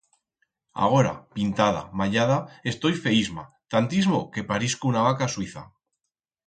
Agora, pintada, mallada, estoi feísma, tantismo que parixco una vaca suiza.